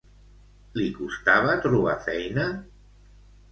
Li costava trobar feina?